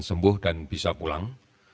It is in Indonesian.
dan sembuh dan bisa pulang